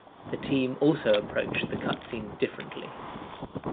The team also approached the cutscenes differently.